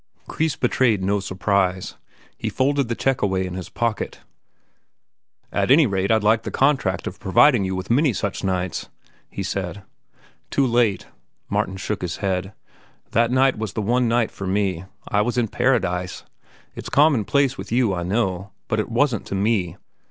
Kreis betrayed no surprise. He folded the check away in his pocket. "At that rate I'd like the contract of providing you with many such nights," he said. "Too late." Martin shook his head. "That night was the one night for me. I was in paradise. It's commonplace with you, I know. But it wasn't to me.